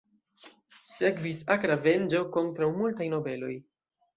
Sekvis akra venĝo kontraŭ multaj nobeloj.